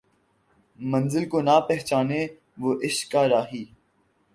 منزل کو نہ پہچانے رہ عشق کا راہی